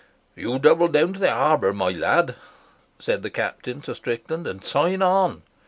"You double down to the harbour, my lad," said the Captain to Strickland, "and sign on.